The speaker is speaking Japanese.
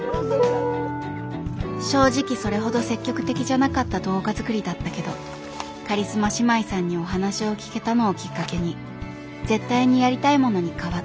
正直それほど積極的じゃなかった動画作りだったけどカリスマ姉妹さんにお話を聞けたのをきっかけに絶対にやりたいものに変わった。